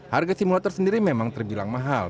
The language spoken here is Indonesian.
harga simulator sendiri memang terbilang mahal